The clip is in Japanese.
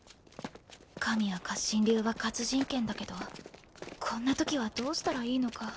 神谷活心流は活人剣だけどこんなときはどうしたらいいのか。